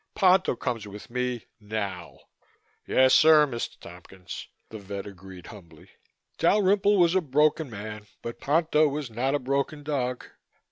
Ponto comes with me now." "Yes, sir, Mr. Tompkins," the vet agreed humbly. Dalrymple was a broken man but Ponto was not a broken dog.